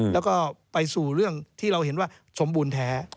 แล้วก็ไปสู่เรื่องที่เราเห็นว่าสมบูรณ์แท้